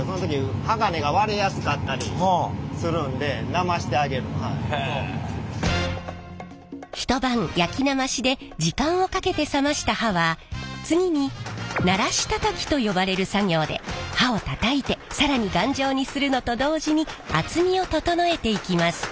なまさなかったら一晩焼きなましで時間をかけて冷ました刃は次にならしたたきと呼ばれる作業で刃をたたいて更に頑丈にするのと同時に厚みを整えていきます。